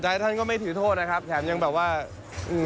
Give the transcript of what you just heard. สุดท้ายท่านก็ไม่ถือโทษแต่ยังแบบว่ามาทะเล